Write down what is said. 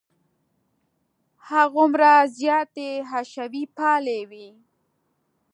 هماغومره زیاتې حشوي پالې وې.